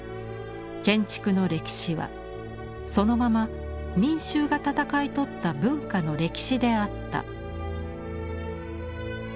「建築の歴史はそのまま民衆がたたかいとった文化の歴史であった」。